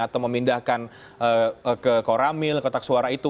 atau memindahkan ke koramil kotak suara itu